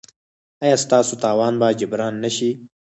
ایا ستاسو تاوان به جبران نه شي؟